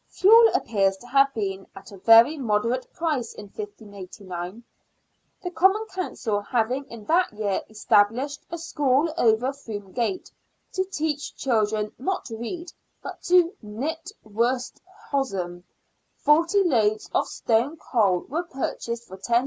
Fuel appears to have been at a very moderate price in 1589. The Common Council having in that year estab lished a school over Froom Gate, to teach children, not to read, but " to knit worsted hosen," forty loads of stone coal were purchased for 15s.